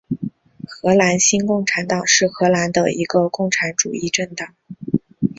荷兰新共产党是荷兰的一个共产主义政党。